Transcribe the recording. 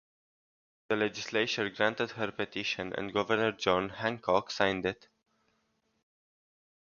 The legislature granted her petition and Governor John Hancock signed it.